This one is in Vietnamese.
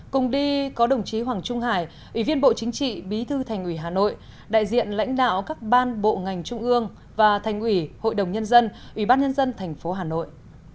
cùng đi có đồng chí hoàng trung hải ủy viên bộ chính trị bí thư thành ủy hà nội đại diện lãnh đạo các ban bộ ngành trung ương và thành ủy hội đồng nhân dân ủy ban nhân dân tp hà nội